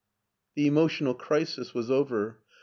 THe emotional crisis was over.